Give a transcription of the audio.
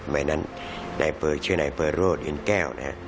ไม่นั้นชื่อนายอำเภอโรธอินแก้วนะครับ